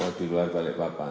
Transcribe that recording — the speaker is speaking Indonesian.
oh di luar balikpapan